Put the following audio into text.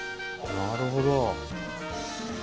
なるほど。